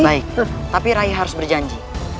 baik tapi rai harus berjanji